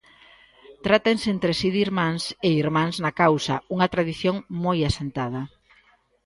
Trátanse entre si de irmáns e irmás na causa, unha tradición moi asentada.